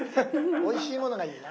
おいしいものがいいな。